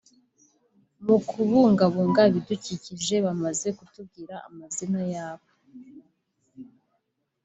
mu kubungabunga ibidukikije; bamaze kutubwira amazina yabo